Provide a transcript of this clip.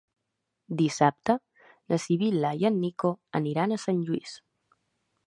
Dissabte na Sibil·la i en Nico aniran a Sant Lluís.